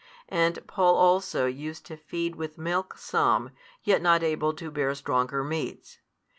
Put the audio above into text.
And Paul also used to feed with milk some, not yet able to bear stronger meats.